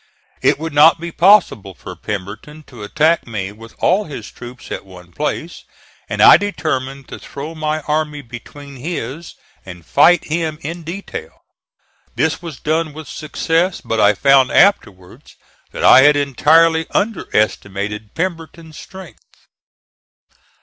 It would not be possible for Pemberton to attack me with all his troops at one place, and I determined to throw my army between his and fight him in detail. This was done with success, but I found afterwards that I had entirely under estimated Pemberton's strength.